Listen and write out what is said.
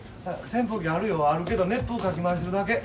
扇風機あるよあるけど熱風かき回してるだけ。